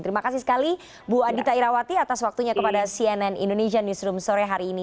terima kasih sekali bu adita irawati atas waktunya kepada cnn indonesia newsroom sore hari ini